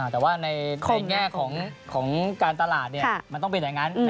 แต่ว่าในแง่ของการตลาดมันต้องไปไหนงั้น